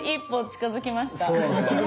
近づきました。